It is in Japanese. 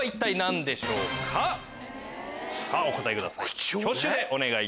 お答えください